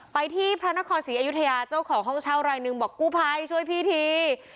ไปที่พระนครศรีอยุธยาเจ้าของห้องเช่ารายหนึ่งบอกกู้ภัยช่วยพี่ที